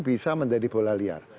bisa menjadi bola liar